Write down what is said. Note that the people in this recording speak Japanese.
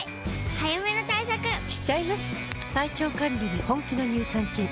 早めの対策しちゃいます。